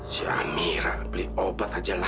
sampai jumpa di video selanjutnya